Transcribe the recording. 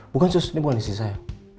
bukan sus ini bukan istri saya